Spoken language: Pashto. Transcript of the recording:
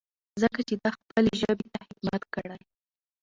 ځکه چې ده خپلې ژبې ته خدمت کړی.